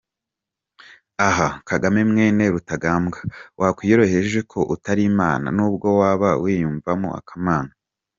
Aha, Kagame mwene Rutagambwa wakwiyoroheje ko utari Imana nubwo waba wiyumvamo akamana!